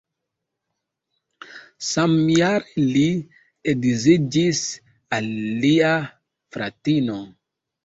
Samjare li edziĝis al lia fratino.